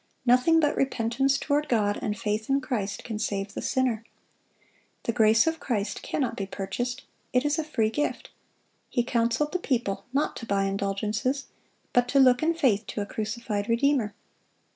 Nothing but repentance toward God and faith in Christ can save the sinner. The grace of Christ cannot be purchased; it is a free gift. He counseled the people not to buy indulgences, but to look in faith to a crucified Redeemer.